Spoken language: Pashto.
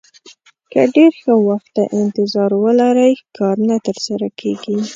که ډېر ښه وخت ته انتظار ولرئ کار نه ترسره کېږي.